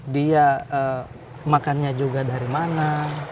dia makannya juga dari mana